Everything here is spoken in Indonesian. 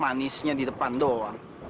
manisnya di depan doang